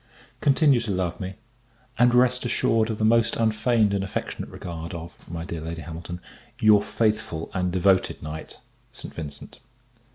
Continue to love me; and rest assured of the most unfeigned and affectionate regard of, my dear Lady Hamilton, your faithful and devoted Knight, ST. VINCENT.